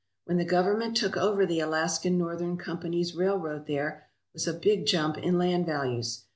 When the Government took over the Alaska Northern company's railroad there was a big jump in land values.